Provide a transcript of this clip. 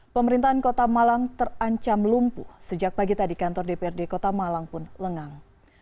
pemerintahan kota malang terancam lumpuh sejak pagi tadi kantor dprd kota malang pun lengang